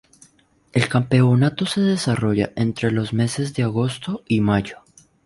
El campeonato se desarrolla entre los meses de agosto y mayo.